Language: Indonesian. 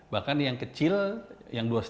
bahkan yang kecil yang dua lima